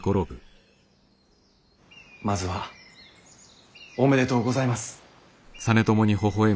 まずはおめでとうございます。